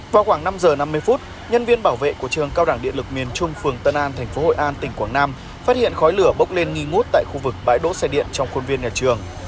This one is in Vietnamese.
vào khoảng năm giờ năm mươi phút nhân viên bảo vệ của trường cao đẳng điện lực miền trung phường tân an thành phố hội an tỉnh quảng nam phát hiện khói lửa bốc lên nghi ngút tại khu vực bãi đỗ xe điện trong khuôn viên nhà trường